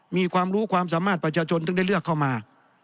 มีความรู้ความสามารถประชาชนถึงได้เลือกเข้ามา